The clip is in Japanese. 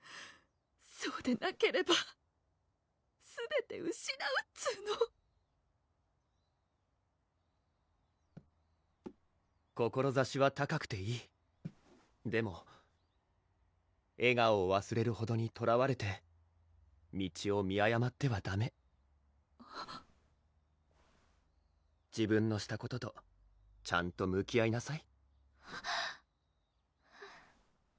そうでなければすべてうしなうっつうの志は高くていいでも笑顔をわすれるほどにとらわれて道を見あやまってはダメ自分のしたこととちゃんと向き合いなさい